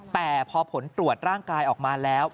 แต่พอผลตรวจร่างกายออกมาแล้ว